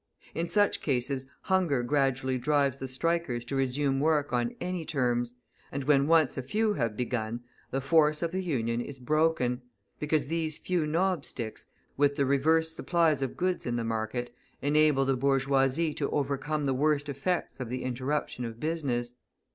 In such cases hunger gradually drives the strikers to resume work on any terms, and when once a few have begun; the force of the Union is broken, because these few knobsticks, with the reserve supplies of goods in the market, enable the bourgeoisie to overcome the worst effects of the interruption of business.